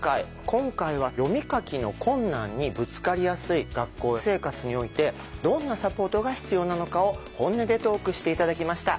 今回は読み書きの困難にぶつかりやすい学校生活においてどんなサポートが必要なのかを本音でトークして頂きました。